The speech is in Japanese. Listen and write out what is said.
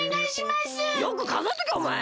よくかぞえとけおまえ！